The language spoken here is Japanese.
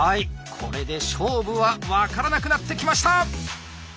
これで勝負は分からなくなってきました！